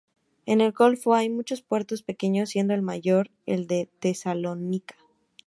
En el golfo hay muchos puertos pequeños, siendo el mayor el de Tesalónica.